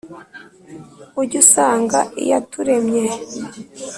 ujye usanga iyaturemye